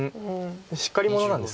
しっかり者なんですか？